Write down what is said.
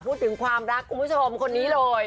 พูดถึงความรักคุณผู้ชมคนนี้เลย